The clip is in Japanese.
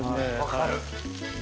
分かる。